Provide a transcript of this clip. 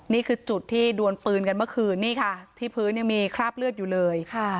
นี่คือจุดที่ดวนปืนกันเมื่อคืนนี่ค่ะที่พื้นยังมีคราบเลือดอยู่เลย